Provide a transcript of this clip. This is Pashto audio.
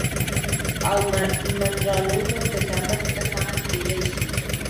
او منرالونو د کمښت نښه هم کیدی شي